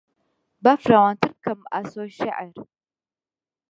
با فراوانتر بکەم ئاسۆی شێعر